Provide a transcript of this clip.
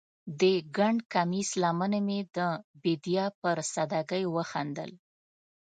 د ګنډ کمیس لمنې مې د بیدیا پر سادګۍ وخندل